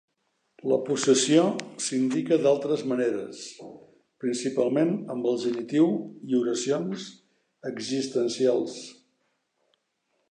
La possessió s'indica d'altres maneres, principalment amb el genitiu i oracions existencials.